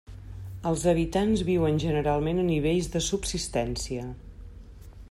Els habitants viuen generalment a nivells de subsistència.